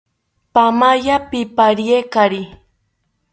Paamaya pipariekari